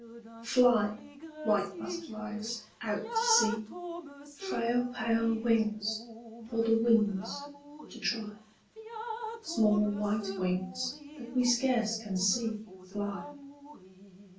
FLY, white butterflies, out to sea, Frail pale wings for the winds to try, Small white wings that we scarce can see Fly.